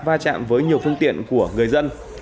và chạm với nhiều phương tiện của người dân